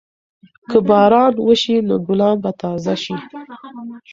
که باران وشي نو ګلان به تازه شي.